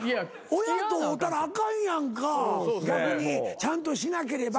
親と会うたらあかんやんか逆にちゃんとしなければ。